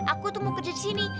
aku tuh mau kerja di sini